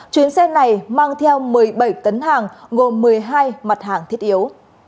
chuyến xe này mang theo một mươi bảy tấn hàng gồm một mươi hai mặt hàng thiết yếu